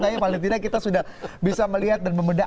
tidaknya paling tidak kita sudah bisa melihat dan membeda